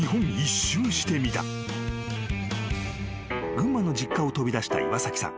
［群馬の実家を飛び出した岩崎さん］